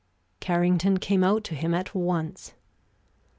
Carrington came out to him at once.